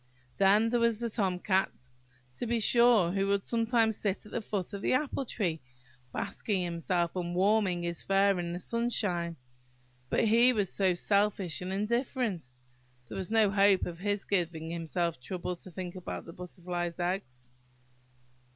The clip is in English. There was the Tom Cat, to be sure, who would sometimes sit at the foot of the apple tree, basking himself and warming his fur in the sunshine; but he was so selfish and indifferent!–there was no hope of his giving himself the trouble to think about butterflies' eggs.